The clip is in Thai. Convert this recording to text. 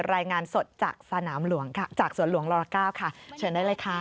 รายงานสดจากสวนหลวงร๙ค่ะเชิญได้เลยค่ะ